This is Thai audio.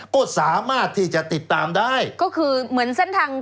ก็สามารถที่จะติดตามได้ก็คือเหมือนเส้นทาง